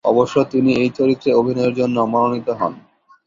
অবশ্য তিনি এই চরিত্রে অভিনয়ের জন্য মনোনীত হন।